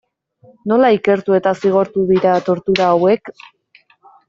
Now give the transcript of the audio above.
Nola ikertu eta zigortu dira tortura hauek?